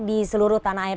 di seluruh tanah air